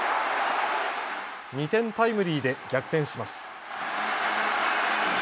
２点タイムリーで逆転します。